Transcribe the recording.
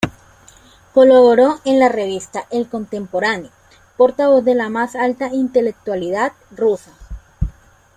Colaboró en la revista "El Contemporáneo", portavoz de la más alta intelectualidad rusa.